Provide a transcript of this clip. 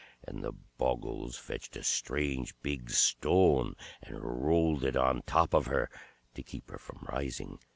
And the Bogles fetched a strange big stone and rolled it on top of her, to keep her from rising.